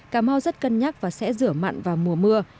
cà mau rất cân nhắc và sẽ rửa mặn vào mùa mưa